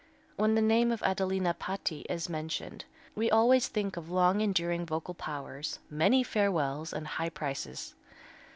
When the name of Adelina Patti is mentioned, we always think of long enduring vocal powers, many farewells and high prices.